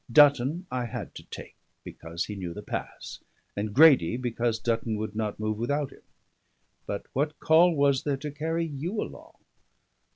Dutton I had to take, because he knew the pass, and Grady because Dutton would not move without him; but what call was there to carry you along?